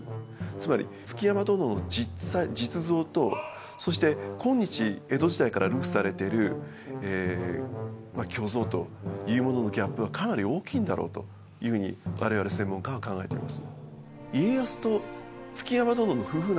つまり築山殿の実像とそして今日江戸時代から流布されてるまあ虚像というもののギャップはかなり大きいんだろうというふうに我々専門家は考えています。